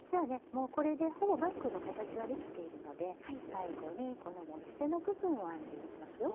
もうこれでほぼバッグの形はできているので最後にこの持ち手の部分を編んでいきますよ。